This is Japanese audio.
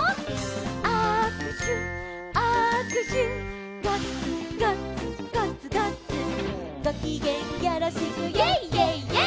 「あくしゅあくしゅ」「ガッツガッツガッツガッツ」「ごきげんよろしく」「イェイイェイイェイ！」